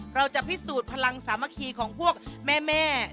เราจะพิสูจน์พลังสามัคคีของพวกแม่